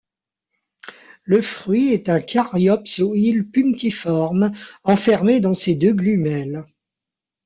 Le fruit est un caryopse au hile punctiforme, enfermés dans ses deux glumelles.